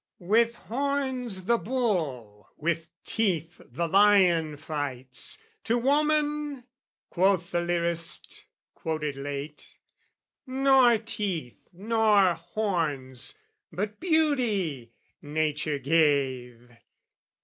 "With horns the bull, with teeth the lion fights, "To woman," quoth the lyrist quoted late, "Nor teeth, nor horns, but beauty, Nature gave!"